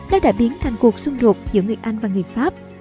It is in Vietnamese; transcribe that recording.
nó đã biến thành cuộc xung đột giữa người anh và người pháp